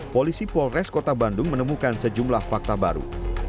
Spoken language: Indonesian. polisi polres kota bandung menemukan sejumlah fakta baru